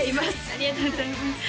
ありがとうございます